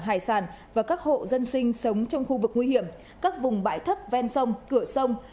hải sản và các hộ dân sinh sống trong khu vực nguy hiểm các vùng bãi thấp ven sông cửa sông